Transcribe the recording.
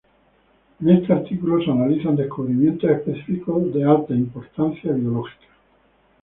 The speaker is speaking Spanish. En este artículo se analizan descubrimientos específicos de alta importancia biológica.